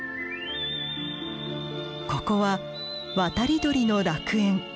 ここは渡り鳥の楽園。